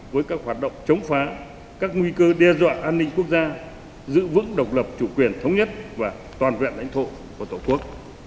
với các hoạt động chống phá các nguy cơ đe dọa an ninh quốc gia giữ vững độc lập chủ quyền thống nhất và toàn vẹn lãnh thổ của tổ quốc